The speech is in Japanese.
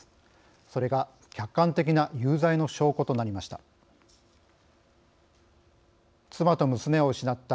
それが客観的な有罪の証拠となりました。